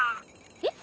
えっ？